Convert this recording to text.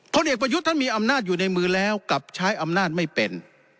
เอกประยุทธ์ท่านมีอำนาจอยู่ในมือแล้วกลับใช้อำนาจไม่เป็น